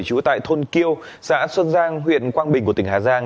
trú tại thôn kiêu xã xuân giang huyện quang bình của tỉnh hà giang